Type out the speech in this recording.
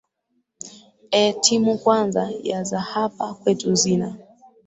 ee timu kwanza ya za hapa kwetu zina